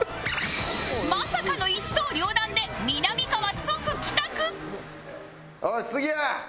まさかの一刀両断でみなみかわ即帰宅よし次や！